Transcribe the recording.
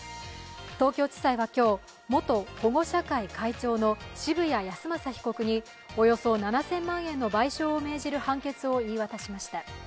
東京地裁は今日、元保護者会会長の渋谷恭正被告におよそ７０００万円の賠償を命じる判決を言い渡しました。